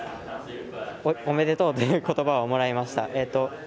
「おめでとう」っていうことばをもらいました。